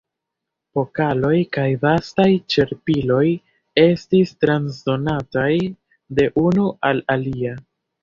Pokaloj kaj bastaj ĉerpiloj estis transdonataj de unu al alia.